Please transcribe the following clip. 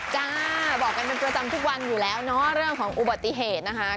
จ้าบอกกันเป็นประจำทุกวันอยู่แล้วเนาะเรื่องของอุบัติเหตุนะคะ